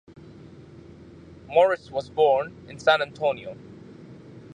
Morris was born in San Antonio.